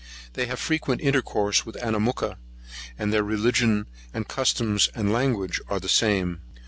They have frequent intercourse with Anamooka, and their religion, customs, and language, are the same.